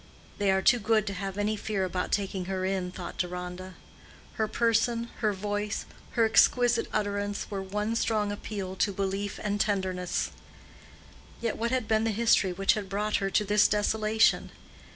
"They are too good to have any fear about taking her in," thought Deronda. Her person, her voice, her exquisite utterance, were one strong appeal to belief and tenderness. Yet what had been the history which had brought her to this desolation?